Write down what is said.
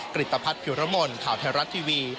กริตภัทรพิรมลข่าวไทยรัฐทีวี